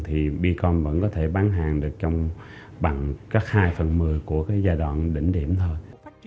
thì becom vẫn có thể bán hàng được trong bằng các hai phần một mươi của cái giai đoạn đỉnh điểm thôi